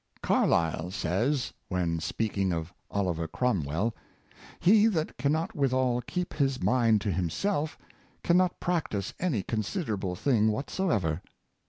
Carlyle says, when speaking of Oliver Cromwell, " He that can not withal keep his mind to himself, can not practice any considerable thing whatsoever."